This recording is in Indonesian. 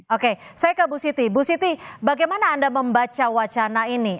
oke saya ke bu siti bu siti bagaimana anda membaca wacana ini